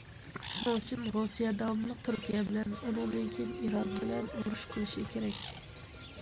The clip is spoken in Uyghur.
شۇنىڭ ئۈچۈن رۇسىيە داۋاملىق تۈركىيە بىلەن، ئۇنىڭدىن كېيىن ئىران بىلەن ئۇرۇش قىلىشى كېرەك.